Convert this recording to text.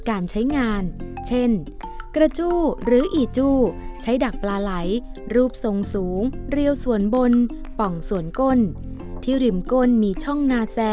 การใช้งานเช่นกระจู้หรืออีจู้ใช้ดักปลาไหลรูปทรงสูงเรียวส่วนบนป่องส่วนก้นที่ริมก้นมีช่องนาแซ